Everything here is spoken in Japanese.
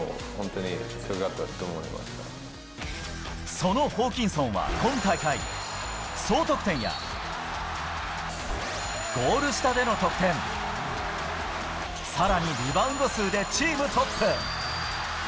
そのホーキンソンは今大会、総得点や、ゴール下での得点、さらにリバウンド数でチームトップ。